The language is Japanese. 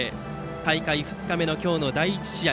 大会２日目の今日の第１試合